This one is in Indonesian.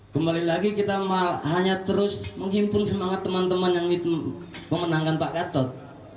kembali lagi kita hanya terus menghimpun semangat teman teman yang memenangkan pak gatot